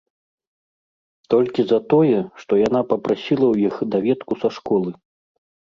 Толькі за тое, што яна папрасіла ў іх даведку са школы.